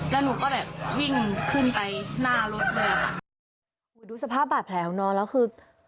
แล้วหนูก็แบบวิ่งขึ้นไปหน้ารถเลยอ่ะค่ะเหมือนดูสภาพบาดแผลของน้องแล้วคือ